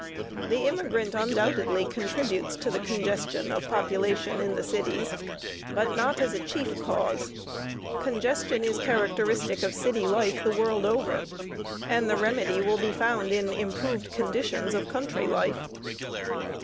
The immigrant undoubtedly contributes to the congestion of population in the cities, but not as a chief cause. Congestion is characteristic of city life the world over, and the remedy will be found in improved conditions of country life.